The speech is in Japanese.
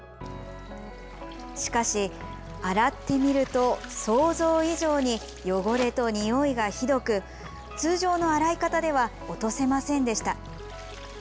しかし、洗ってみると想像以上に汚れと臭いがひどく通常の洗い方では落とせませんでした。